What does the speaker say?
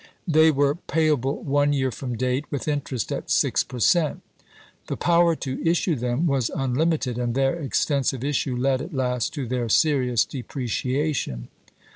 They were payable one year from date, with interest at six per cent. The power to issue them was unlim ited, and their extensive issue led at last to their serious depreciation.